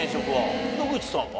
野口さんは？